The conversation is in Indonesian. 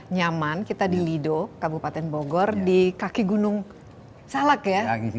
nyaman kita di lido kabupaten bogor di kaki gunung calak ya